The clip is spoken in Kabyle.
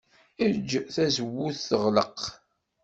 Ejj tazewwut teɣleq.